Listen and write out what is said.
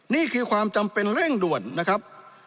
นี่คือความจำเป็นเร่งด่วนนะครับ